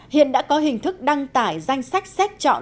hiện đã có hình thức đăng tải danh sách xét chọn